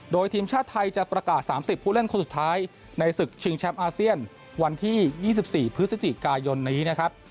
โดยทีมชาติไทยจะประกาศ๓๐ผู้เล่นคนสุดท้ายในศึกชิงแชมป์อาเซียนวันที่๒๔พฤศจิกายนนี้นะครับ